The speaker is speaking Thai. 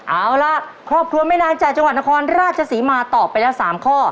เอาล่ะครอบครัวแม่นางจากจังหวัดนครราชศรีมาตอบไปแล้ว๓ข้อ